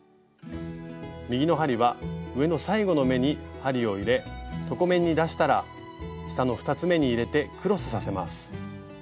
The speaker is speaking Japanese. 右の針は上の最後の目に針を入れ床面に出したら下の２つめに入れてクロスさせます。